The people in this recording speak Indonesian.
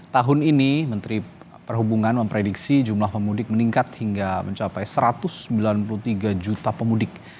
tahun ini menteri perhubungan memprediksi jumlah pemudik meningkat hingga mencapai satu ratus sembilan puluh tiga juta pemudik